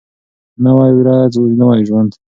نوی ورځ نوی ژوند.